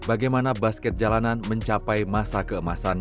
sudah kena salingu salingu ruang